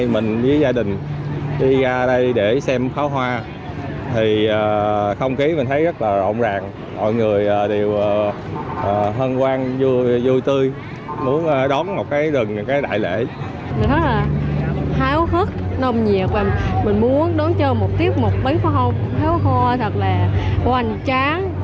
mình rất là háo hức nông nhiệt và mình muốn đón chờ một tiết mục bắn pháo hoa thật là hoành tráng